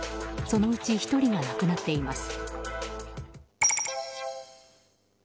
そのうち１人が亡くなっています。